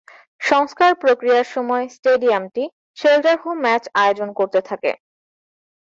সংস্কার প্রক্রিয়ার সময় স্টেডিয়ামটি সেল্টার হোম ম্যাচ আয়োজন করতে থাকে।